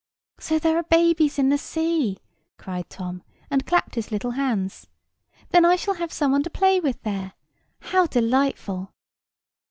"So there are babies in the sea?" cried Tom, and clapped his little hands. "Then I shall have some one to play with there? How delightful!"